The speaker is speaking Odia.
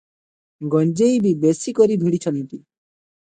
ଗଞ୍ଜେଇ ବି ବେଶି କରି ଭିଡ଼ିଛନ୍ତି ।